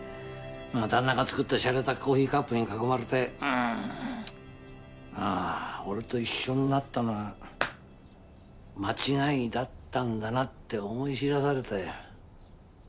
旦那が作ったしゃれたコーヒーカップに囲まれて俺と一緒になったのは間違いだったんだなって思い知らされたよ。